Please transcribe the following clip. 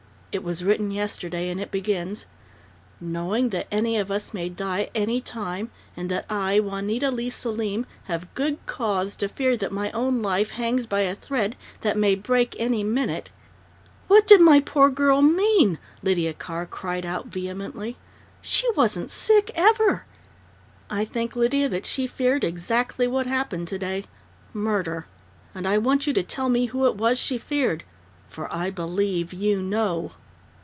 "It was written yesterday, and it begins: "'Knowing that any of us may die any time, and that I, Juanita Leigh Selim, have good cause to fear that my own life hangs by a thread that may break any minute '" "What did my poor girl mean?" Lydia Carr cried out vehemently. "She wasn't sick, ever " "I think, Lydia, that she feared exactly what happened today murder! And I want you to tell me who it was she feared. _For I believe you know!